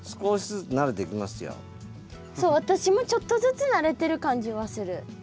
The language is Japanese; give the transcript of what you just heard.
そう私もちょっとずつ慣れてる感じはする。